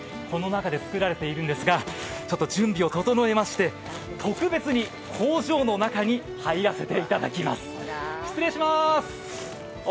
この中で作られているんですが、準備を整えまして特別に工場の中に入らせていただきます。